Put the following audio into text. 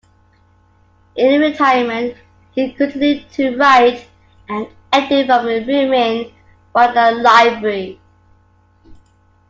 In retirement he continued to write and edit from a room in Widener Library.